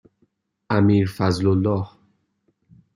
امیرفضلالله